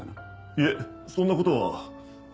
いえそんなことは。